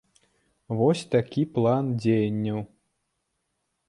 Вось такі план дзеянняў.